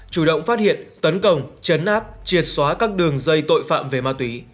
chủ động phát hiện tấn công chấn áp triệt xóa các đường dây tội phạm về ma túy